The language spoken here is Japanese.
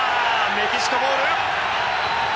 メキシコボール。